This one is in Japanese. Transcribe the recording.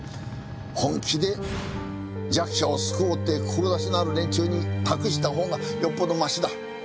本気で弱者を救おうって志のある連中に託した方がよっぽどマシだ。